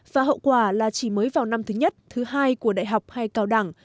và hậu quả là chỉ mới vào năm thứ nhất thứ hai của đại học hay cao đẳng